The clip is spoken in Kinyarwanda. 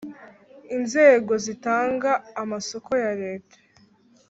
Inzego zitanga amasoko ya leta